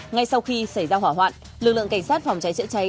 ngay sau khi xảy ra hỏa hoạn lực lượng cảnh sát phòng cháy chữa cháy